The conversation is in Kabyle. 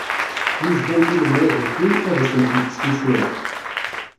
Mi jbant i lemwaj akin, ad asent-yekkes tisura.